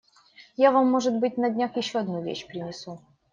Я вам может быть, на днях, еще одну вещь принесу.